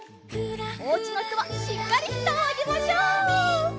おうちのひとはしっかりひざをあげましょう！